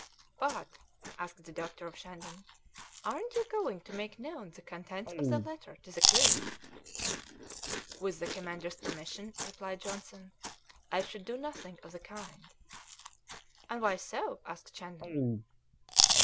"But," asked the doctor of Shandon, "aren't you going to make known the contents of that letter to the crew?" "With the commander's permission," replied Johnson, "I should do nothing of the kind." "And why so?" asked Shandon.